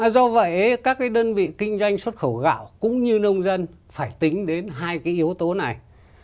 do vậy các cái đơn vị kinh doanh xuất khẩu gạo cũng như nông dân phải tính đến hai cái yếu tố này